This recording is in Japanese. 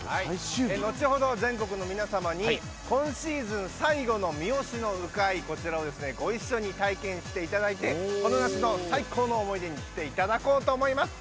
後ほど全国の皆様に今シーズン最後の三次の鵜飼ご一緒に体験していただいてこの夏の最高の思い出にしていただこうと思います。